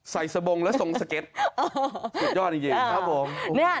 ใส่สะบงแล้วส่งสเก็ตสุดยอดอีกอย่าง